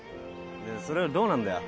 でそれよりどうなんだよ？